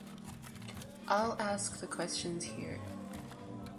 I’ll ask the questions here.